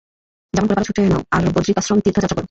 যেমন করে পার ছুটে নাও, আর বদরিকাশ্রম তীর্থযাত্রা কর।